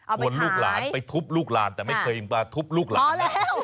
ชวนลูกลานไปทุบลูกลานแต่ไม่เคยทุบลูกลาน